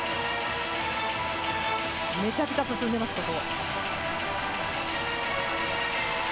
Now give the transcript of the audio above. めちゃくちゃ進んでいます、ここ。